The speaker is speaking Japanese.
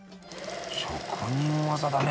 職人技だね。